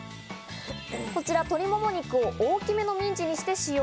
こちら鶏もも肉、大きめのミンチにして使用。